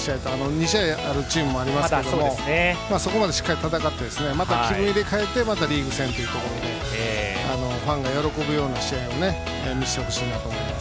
２試合あるチームもありますがそこまではしっかり戦って気分を入れ替えてリーグ戦というところでファンが喜ぶような試合を見せてほしいなと思います。